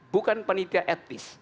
bukan panitia etnis